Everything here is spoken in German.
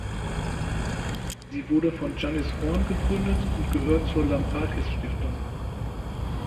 Sie wurde von Giannis Horn gegründet und gehörte zur Lambrakis-Stiftung.